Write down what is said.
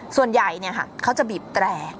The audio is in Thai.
ส่วนใหญ่เนี่ยค่ะเขาจะบีบแตรก